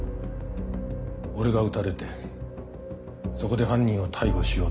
俺が撃たれてそこで犯人を逮捕しようって腹か。